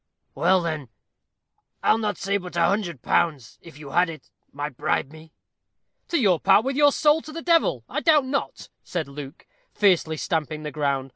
"Well, then, I'll not say but a hundred pounds, if you had it, might bribe me " "To part with your soul to the devil, I doubt not," said Luke, fiercely stamping the ground.